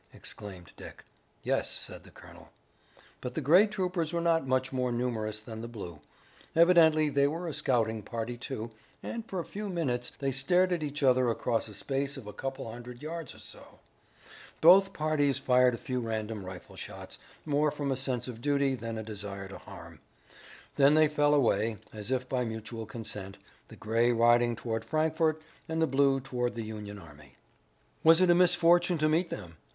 exclaimed Dick. "Yes," said the colonel. But the gray troopers were not much more numerous than the blue. Evidently they were a scouting party, too, and for a few minutes they stared at each other across a space of a couple of hundred yards or so. Both parties fired a few random rifle shots, more from a sense of duty than a desire to harm. Then they fell away, as if by mutual consent, the gray riding toward Frankfort and the blue toward the Union army. "Was it a misfortune to meet them?"